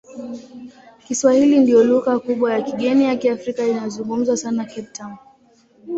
Kiswahili ndiyo lugha kubwa ya kigeni ya Kiafrika inayozungumzwa sana Cape Town.